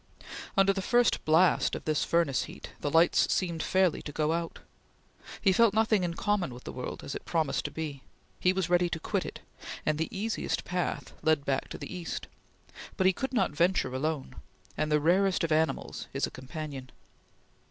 Under the first blast of this furnace heat, the lights seemed fairly to go out. He felt nothing in common with the world as it promised to be. He was ready to quit it, and the easiest path led back to the east; but he could not venture alone, and the rarest of animals is a companion.